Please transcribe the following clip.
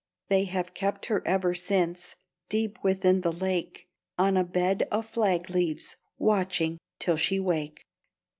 They have kept her ever since Deep within the lake, On a bed of flag leaves, Watching till she wake.